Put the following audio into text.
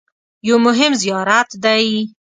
یو مهم زیارت دی.